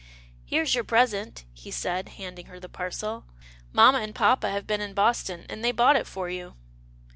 " Here is your present," he said, handing her the parcel. Mamma and papa have been in Boston and they bought it for you."